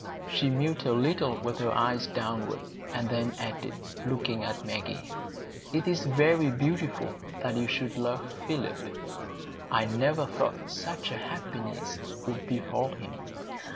She mused a little with her eyes downward, and then added, looking at Maggie, "It is very beautiful that you should love Philip; I never thought such a happiness would befall him.